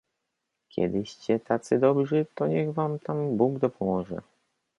"kiedyście tacy dobrzy, to niech wam tam Bóg dopomoże."